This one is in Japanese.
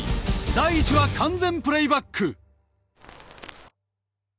第１話完全プレイバック！